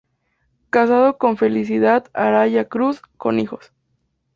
Casado con Felicidad Araya Cruz, con hijos.